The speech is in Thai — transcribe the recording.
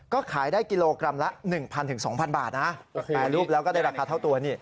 ก็ขายได้กิโลกรัมละ๑๐๐๒๐๐บาทนะแปรรูปแล้วก็ได้ราคาเท่าตัวนี่